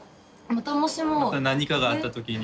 また何かがあった時に。